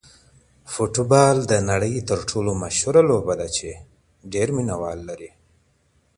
فوټبال د نړۍ تر ټولو مشهوره لوبه ده چې ډېر مینه وال لري.